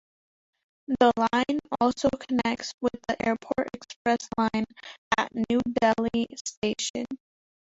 The Line also connects with the Airport Express Line at New Delhi station.